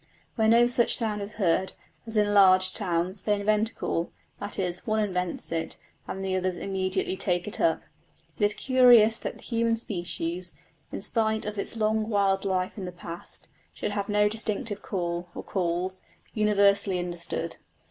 Where no such sound is heard, as in large towns, they invent a call; that is, one invents it and the others immediately take it up. It is curious that the human species, in spite of its long wild life in the past, should have no distinctive call, or calls, universally understood.